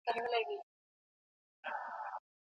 خدای پاک زړونه خوښوي.